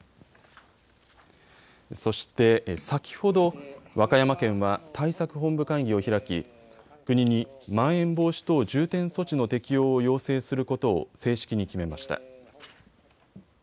そして先ほど和歌山県は対策本部会議を開き国にまん延防止等重点措置の適用を要請することを正式に決めました。